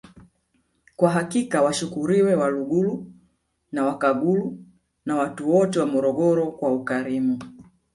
Kwa hakika washukuriwe Waluguru na Wakaguru na watu wote wa Morogoro kwa ukarimu